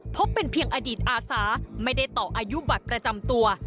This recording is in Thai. พบเป็นเพียงอดีตอาสาไม่ได้ต่ออายุบัตรประจำตัว